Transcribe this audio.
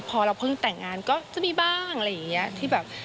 พอเราเพิ่งแต่งงานก็จะมีบ้างอะไรอย่างนี้ที่แบบ